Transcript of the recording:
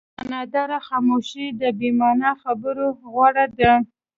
معناداره خاموشي د بې معنا خبرو غوره ده.